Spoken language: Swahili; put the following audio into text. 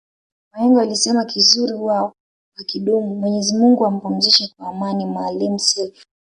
Wahenga walisema kizuri huwa hakidumu Mwenyezi Mungu ampumzishe kwa amani maalim self